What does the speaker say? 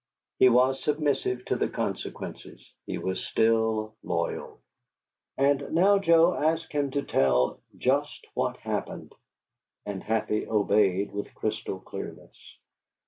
He was submissive to the consequences: he was still loyal. And now Joe asked him to tell "just what happened," and Happy obeyed with crystal clearness.